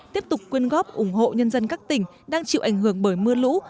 tiếp tục quyên góp ủng hộ nhân dân các tỉnh đang chịu ảnh hưởng bởi mưa lũ